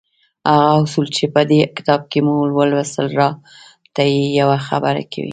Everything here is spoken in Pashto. هغه اصول چې په دې کتاب کې مو ولوستل را ته يوه خبره کوي.